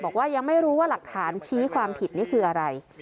บอกว่ายังไม่รู้ว่าหลักฐานชี้ความผิดนี่คืออะไร